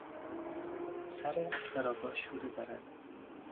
سر اکبر آقا شوره دارد.